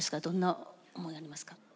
どんな思いがありますか？